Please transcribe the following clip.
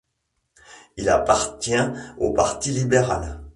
Il appartient au parti libéral.